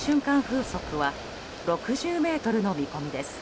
風速は６０メートルの見込みです。